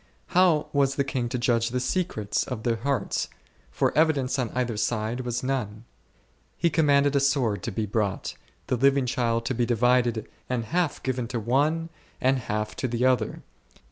How was the king to judge the secrets * 1 Kings iii. O O B o o 2 of their hearts, for evidence on either side there was none ? He commanded a sword to be brought, the living child to be divided, and half given to one and half to the other.